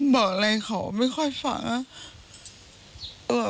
บอกอะไรเขาไม่ค่อยฝากอ่ะ